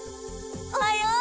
おはよう。